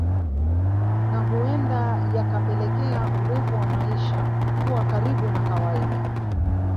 Na huenda yakapelekea urefu wa maisha kuwa karibu na kawaida